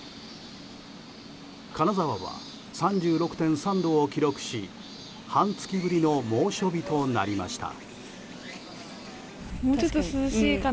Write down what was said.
金沢は３６．３度を記録し半月ぶりの猛暑日となりました。